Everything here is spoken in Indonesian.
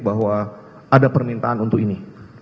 bahwa ada permintaan untuk ini